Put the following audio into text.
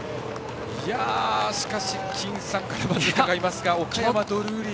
しかし金さん、まず伺いますが岡山のドルーリー。